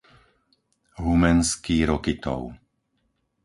Humenský Rokytov